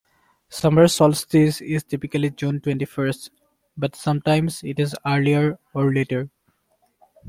Summer solstice is typically June twenty-first, but sometimes it's earlier or later.